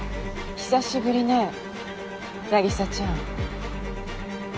久しぶりね凪沙ちゃん。